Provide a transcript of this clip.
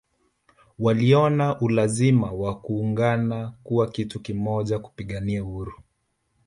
Waliona ulazima wa kuungana kuwa kitu kimoja kupigania uhuru